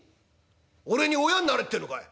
俺に親になれってのかい」。